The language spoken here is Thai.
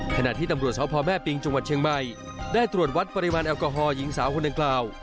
ขณะที่ตำรวจสพแม่ปิงจังหวัดเชียงใหม่ได้ตรวจวัดปริมาณแอลกอฮอลหญิงสาวคนดังกล่าว